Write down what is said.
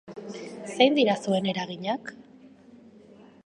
Zein dira zuen eraginak?